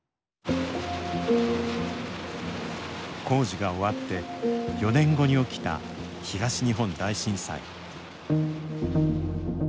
工事が終わって４年後に起きた東日本大震災。